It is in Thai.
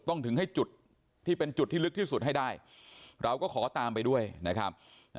ถึงให้จุดที่เป็นจุดที่ลึกที่สุดให้ได้เราก็ขอตามไปด้วยนะครับ